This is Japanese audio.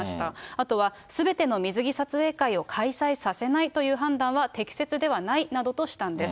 あとはすべての水着撮影会を開催させないという判断は適切ではないなどとしたんです。